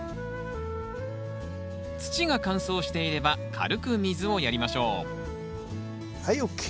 土が乾燥していれば軽く水をやりましょうはいＯＫ。